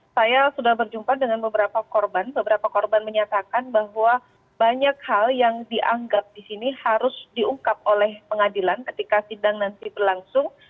saya sudah berjumpa dengan beberapa korban beberapa korban menyatakan bahwa banyak hal yang dianggap disini harus diungkap oleh pengadilan ketika sidang nanti berlangsung